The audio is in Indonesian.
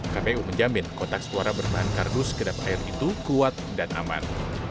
kpu menjamin kotak suara berbahan kardus kedap air itu kuat dan aman